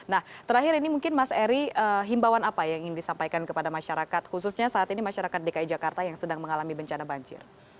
nah terakhir ini mungkin mas eri himbauan apa yang ingin disampaikan kepada masyarakat khususnya saat ini masyarakat dki jakarta yang sedang mengalami bencana banjir